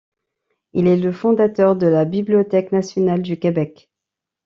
Il est le fondateur de la Bibliothèque nationale du Québec.